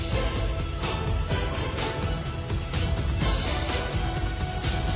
มันอยู่ในสำนวนครับ